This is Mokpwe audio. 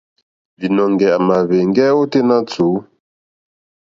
Līnɔ̄ŋgɛ̄ à màá hwēŋgɛ́ ôténá tùú.